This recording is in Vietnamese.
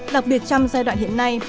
đặc biệt trong giai đoạn hiện nay